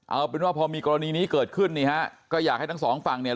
เอาเป็นว่าพอมีกรณีนี้เกิดขึ้นนี่ฮะก็อยากให้ทั้งสองฝั่งเนี่ย